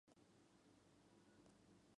El dialecto Taz es hablado en Rusia.